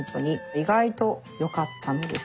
意外とよかったんです。